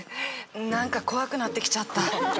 何か怖くなってきちゃった。